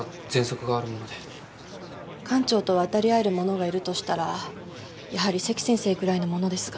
館長と渡り合える者がいるとしたらやはり関先生くらいのものですが。